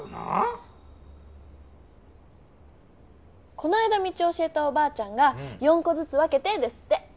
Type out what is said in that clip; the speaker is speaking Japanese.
この間道を教えたおばあちゃんが「４こずつ分けて」ですって。